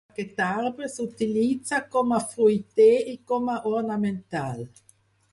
Aquest arbre s'utilitza com a fruiter i com a ornamental.